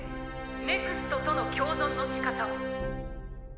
ＮＥＸＴとの共存のしかたを」。